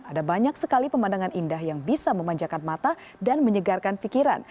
ada banyak sekali pemandangan indah yang bisa memanjakan mata dan menyegarkan pikiran